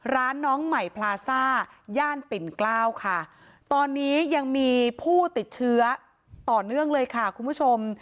น้องใหม่พลาซ่าย่านปิ่นเกล้าค่ะตอนนี้ยังมีผู้ติดเชื้อต่อเนื่องเลยค่ะคุณผู้ชม